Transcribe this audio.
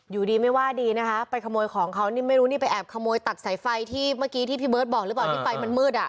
อยู่ดีไม่ว่าดีนะคะไปขโมยของเขานี่ไม่รู้นี่ไปแอบขโมยตัดสายไฟที่เมื่อกี้ที่พี่เบิร์ตบอกหรือเปล่าที่ไฟมันมืดอ่ะ